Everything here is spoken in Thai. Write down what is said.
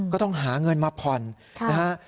ก็ต้องหาเงินมาผ่อนนะฮะ